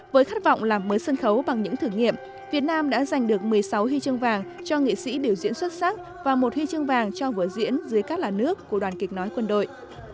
với khát vọng làm mới sân khấu bằng những thử nghiệm việt nam đã giành được một mươi sáu huy chương vàng cho nghệ sĩ biểu diễn xuất sắc và một huy chương vàng cho vở diễn dưới các làn nước của đoàn kịch nói quân đội